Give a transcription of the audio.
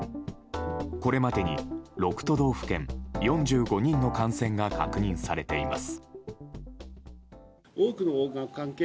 これまでに６都道府県４５人の感染が確認されています。